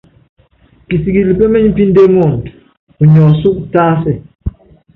Kisikili peményipíndé muundɔ, unyi ɔsúku tásɛ.